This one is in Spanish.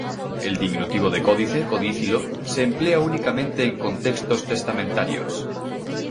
El diminutivo de "códice", "codicilo", se emplea únicamente en contextos testamentarios.